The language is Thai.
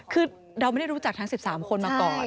คือเราไม่ได้รู้จักทั้ง๑๓คนมาก่อน